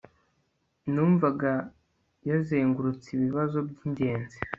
Numvaga yazengurutse ibibazo byingenzi